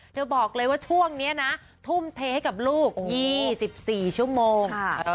บอกเลยว่าช่วงนี้นะทุ่มเทให้กับลูก๒๔ชั่วโมง